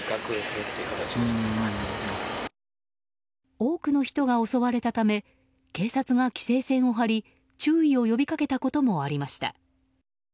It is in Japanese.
多くの人が襲われたため警察が規制線を張り注意を呼びかけたこともありました。